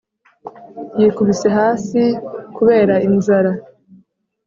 Yikubise hasi kubera inzara